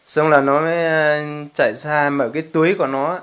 xong là nó mới chạy ra mở cái tuế của nó